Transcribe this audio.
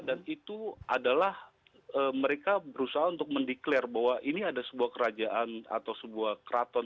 dan itu adalah mereka berusaha untuk mendeklarasi bahwa ini ada sebuah kerajaan atau sebuah kraton